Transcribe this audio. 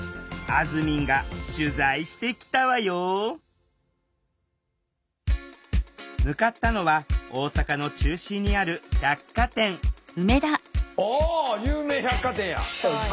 あずみんが取材してきたわよ向かったのは大阪の中心にある百貨店お有名百貨店や。